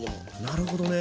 なるほどね。